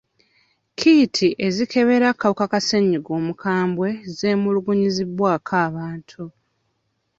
Kiiti ezikebera akawuka ka ssennyiga omukambwe zeemulugunyizibwako abantu.